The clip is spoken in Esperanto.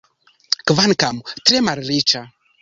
Kvankam tre malriĉa.